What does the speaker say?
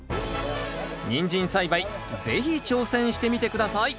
ニンジン栽培是非挑戦してみて下さい。